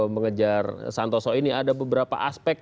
mengejar santoso ini ada beberapa aspek